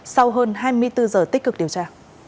sau hơn hai mươi bốn giờ tích cực điều tra